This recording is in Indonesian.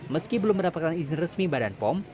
meski belum mendapatkan izin resmi badan pom